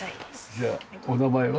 じゃあお名前は？